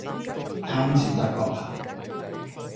貪字得個貧